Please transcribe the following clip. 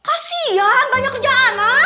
kasian banyak kerjaan ah